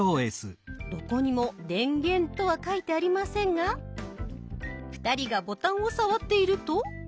どこにも「電源」とは書いてありませんが２人がボタンを触っていると。